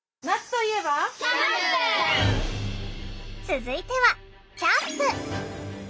続いてはキャンプ！